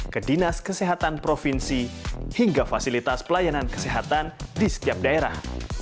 ke dinas kesehatan provinsi hingga fasilitas pelayanan kesehatan di setiap daerah